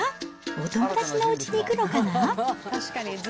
お友達のおうちに行くのかな。